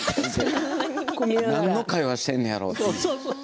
何の会話してるんやろって。